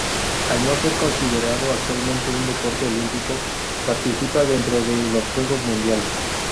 Al no ser considerado actualmente un deporte olímpico, participa dentro de los Juegos Mundiales.